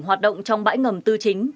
hoạt động trong bãi ngầm tư chính